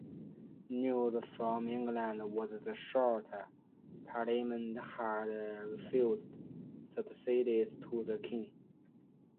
News from England was the Short Parliament had refused subsidies to the King.